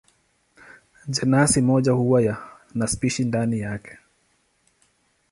Jenasi moja huwa na spishi ndani yake.